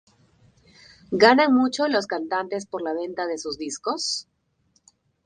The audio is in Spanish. ¿Ganan mucho los cantantes por la venta de sus discos?